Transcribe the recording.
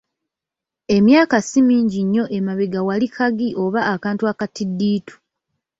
Emyaka si mingi nnyo emabegako wali kagi oba akantu akatiddiitu.